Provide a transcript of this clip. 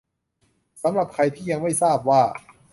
สำหรับใครที่ยังไม่ทราบว่า